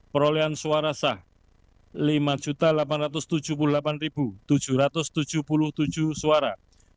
perolehan suara sah lima delapan ratus tujuh puluh delapan tujuh ratus tujuh puluh tujuh suara